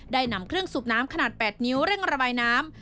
นำเครื่องสูบน้ำขนาด๘นิ้วเร่งระบายน้ำ